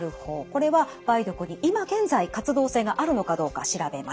これは梅毒に今現在活動性があるのかどうか調べます。